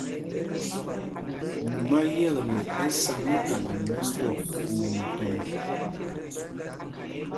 Mumá yekle ɛ sá mɛ́kala mɛ swɔk nɛ mɛtɔnɔ.